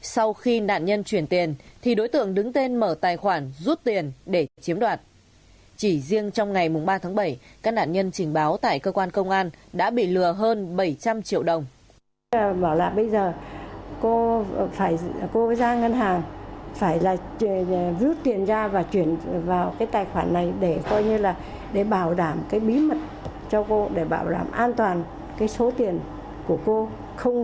sau khi nạn nhân chuyển tiền thì đối tượng đứng tên mở tài khoản rút tiền để chiếm đoạt chỉ riêng trong ngày ba tháng bảy các nạn nhân trình báo tại cơ quan công an đã bị lừa hơn bảy trăm linh triệu đồng